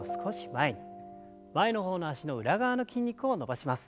前の方の脚の裏側の筋肉を伸ばします。